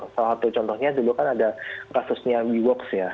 salah satu contohnya dulu kan ada kasusnya weworks ya